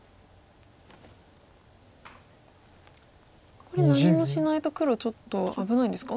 これ何もしないと黒ちょっと危ないんですか？